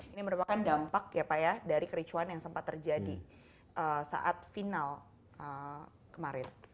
ini merupakan dampak dari kericuan yang sempat terjadi saat final kemarin